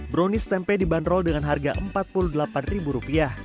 brownies tempe dibanderol dengan harga rp empat puluh delapan